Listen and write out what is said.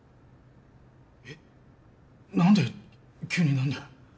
えっなんで急に何だよ？